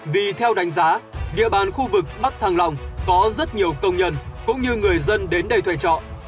vì theo đánh giá địa bàn khu vực bắc thăng long có rất nhiều công nhân cũng như người dân đến đây thuê trọ